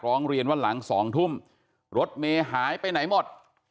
ร้องเรียนว่าหลัง๒ทุ่มรถเมย์หายไปไหนหมด